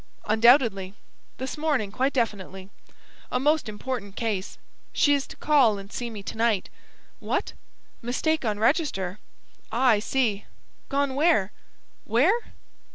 ... Undoubtedly. This morning; quite definitely. A most important case. She is to call and see me to night ... What? ... Mistake on register? Ah, I see ... Gone where? ... Where?